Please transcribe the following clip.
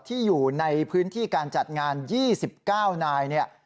ที่อยู่ในพื้นที่การจัดงาน๒๙นาย